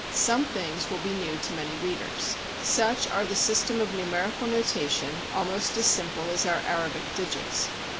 Some things will be new to many readers. Such are the system of numerical notation, almost as simple as our Arabic digits.